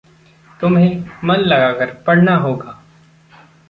तुम्हें मन लगाकर पढ़ना होगा।